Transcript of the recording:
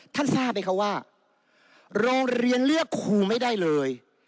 ทราบไหมคะว่าโรงเรียนเลือกครูไม่ได้เลย